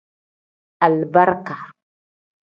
Alibarika.